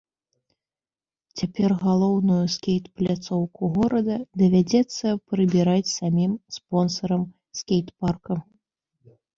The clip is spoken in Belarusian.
Цяпер галоўную скейт-пляцоўку горада давядзецца прыбіраць самім спонсарам скейтпарка.